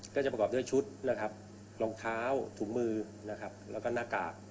ก็จะประกอบด้วยชุดรองเท้าถุงมือและหน้ากาก